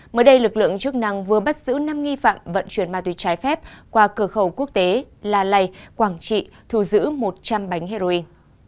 mới đây lực lượng chức năng vừa bắt giữ năm nghi phạm vận chuyển ma túy trái phép qua cửa khẩu quốc tế la lầy quảng trị thu giữ một trăm linh bánh heroin